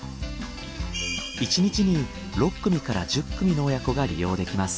１日に６組から１０組の親子が利用できます。